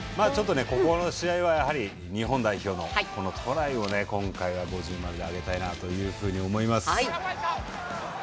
ここの試合は日本代表のトライを今回、五重マルあげたいなと思います。